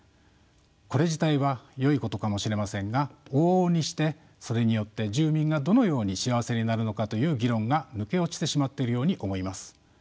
これ自体はよいことかもしれませんが往々にしてそれによって住民がどのように幸せになるのかという議論が抜け落ちてしまっているように思います。